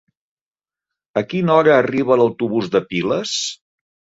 A quina hora arriba l'autobús de Piles?